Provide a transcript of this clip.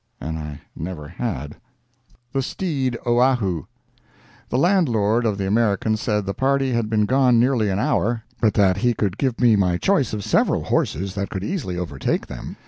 And I never had. THE STEED OAHU The landlord of the American said the party had been gone nearly an hour, but that he could give me my choice of several horses that could easily overtake them.